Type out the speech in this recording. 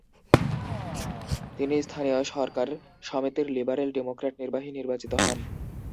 তিনি স্থানীয় সরকার সমিতির লিবারেল ডেমোক্রেট নির্বাহী নির্বাচিত হন।